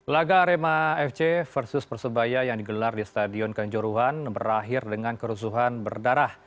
laga arema fc versus persebaya yang digelar di stadion kanjuruhan berakhir dengan kerusuhan berdarah